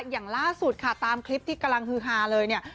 อย่างล่าสุดค่ะตามคลิปที่กำลังฮือฮาเลยเนี่ย